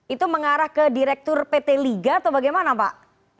itu mengarah ke direktur pt liga atau bagaimana pak